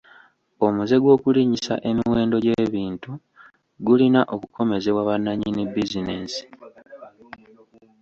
Omuze gw'okulinnyisa emiwendo gy'ebintu gulina okukomezebwa bannannyini bizinensi.